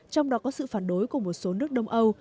trong đó có sự phản đối của một số nước đông âu